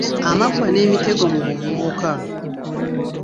Amaggwa n’emitego mu buvubuka.